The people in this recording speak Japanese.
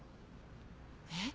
えっ？